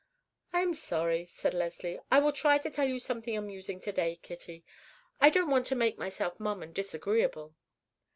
"I am sorry," said Leslie. "I will try to tell you something amusing to day, Kitty. I don't want to make myself mum and disagreeable."